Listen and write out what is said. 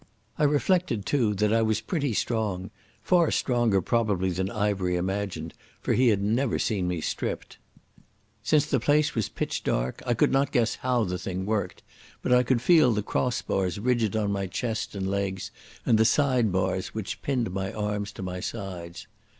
I reflected, too, that I was pretty strong, far stronger probably than Ivery imagined, for he had never seen me stripped. Since the place was pitch dark I could not guess how the thing worked, but I could feel the cross bars rigid on my chest and legs and the side bars which pinned my arms to my sides....